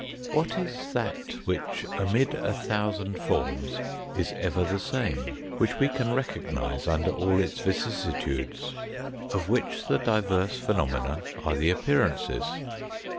What is that which amid a thousand forms is ever the same, which we can recognise under all its vicissitudes, of which the diverse phenomena are the appearances